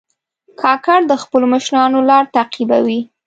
کاکړ د خپلو مشرانو لار تعقیبوي.